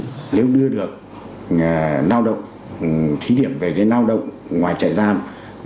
nếu đưa được thí điểm về lao động ngoài chạy giam